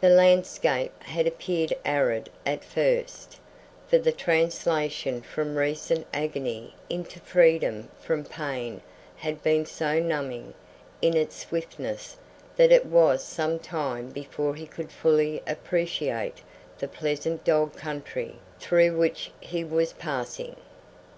The landscape had appeared arid at first, for the translation from recent agony into freedom from pain had been so numbing in its swiftness that it was some time before he could fully appreciate the pleasant dog country through which he was passing.